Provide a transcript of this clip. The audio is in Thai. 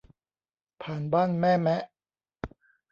ผ่านบ้านแม่แมะ